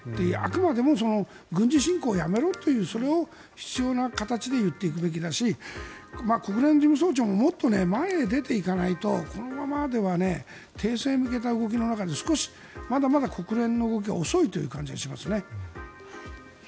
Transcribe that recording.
あくまでも軍事侵攻をやめろというそれを必要な形で言っていくべきだし国連事務総長ももっと前へ出ていかないとこのままでは停戦へ向けた動きの中で少し、まだまだ国連の動きが遅いという感じがしますね。